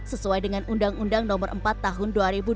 sesuai dengan undang undang nomor empat tahun dua ribu dua puluh